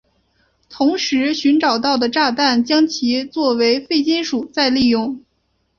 同时寻找到的炸弹将其作为废金属再利用。